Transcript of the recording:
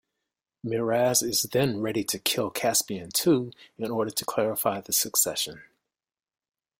Miraz is then ready to kill Caspian too, in order to clarify the succession.